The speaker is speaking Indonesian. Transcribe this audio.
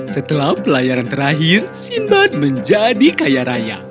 setelah pelayaran terakhir sinbad menjadi kaya raya